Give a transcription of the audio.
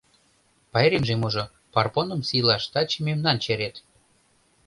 — Пайремже-можо, Парпоным сийлаш таче мемнан черет.